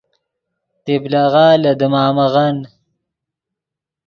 طبلغہ لے دیمامغن